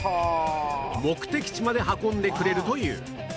目的地まで運んでくれるという